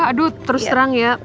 aduh terus terang ya